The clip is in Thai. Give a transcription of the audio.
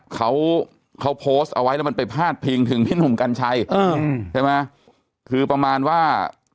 เขาเขาโพสต์เอาไว้แล้วมันไปพาดพิงถึงพี่หนุ่มกัญชัยใช่ไหมคือประมาณว่า